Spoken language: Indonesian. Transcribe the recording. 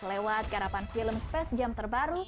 lewat garapan film space jam terbaru